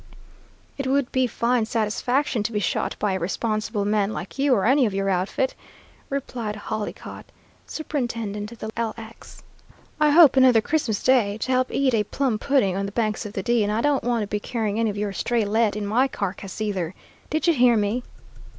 "It would be fine satisfaction to be shot by a responsible man like you or any of your outfit," replied Hollycott, superintendent of the "LX." "I hope another Christmas Day to help eat a plum pudding on the banks of the Dee, and I don't want to be carrying any of your stray lead in my carcass either. Did you hear me?"